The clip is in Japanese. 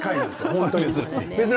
本当に。